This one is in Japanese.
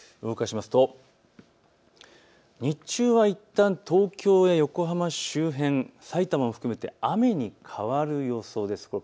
動かしますと日中はいったん東京や横浜周辺、さいたまも含めて雨に変わる予想です。